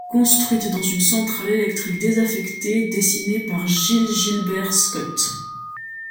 Construite dans une centrale électrique désaffectée dessinée par Giles Gilbert Scott.